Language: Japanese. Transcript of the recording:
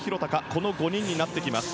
この５人になってきます。